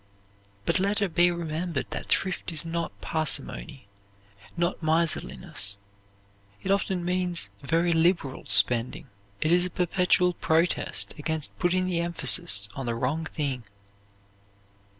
But let it be remembered that thrift is not parsimony not miserliness. It often means very liberal spending. It is a perpetual protest against putting the emphasis on the wrong thing.